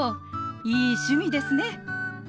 いい趣味ですね。